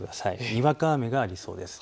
にわか雨がありそうです。